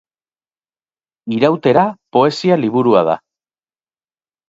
Irautera poesia liburua da.